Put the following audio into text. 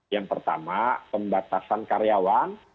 yang pertama pembatasan karyawan